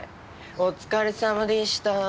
お疲れさまでした！